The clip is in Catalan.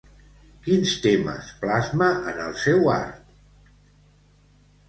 Quins temes plasma en el seu art?